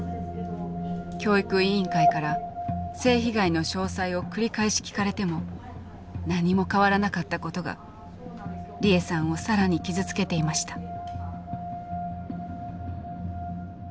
教育委員会から性被害の詳細を繰り返し聞かれても何も変わらなかったことが利枝さんを更に傷つけていました。